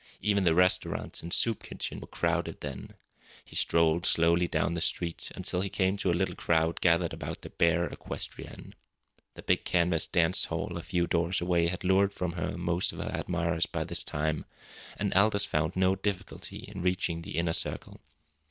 Even the restaurants and soup kitchens were crowded then. He strolled slowly down the street until he came to a little crowd gathered about the bear equestrienne. The big canvas dance hall a few doors away had lured from her most of her admirers by this time, and Aldous found no difficulty in reaching the inner circle.